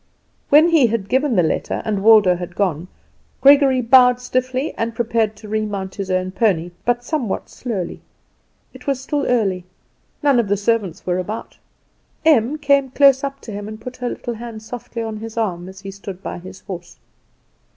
When he had given the letter, and Waldo had gone, Gregory bowed stiffly and prepared to remount his own pony, but somewhat slowly. It was still early; none of the servants were about. Em came up close to him and put her little hand softly on his arm as he stood by his horse.